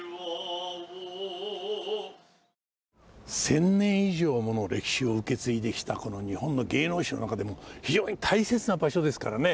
１，０００年以上もの歴史を受け継いできたこの日本の芸能史の中でも非常に大切な場所ですからね。